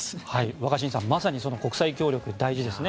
若新さんまさにその国際協力大事ですね。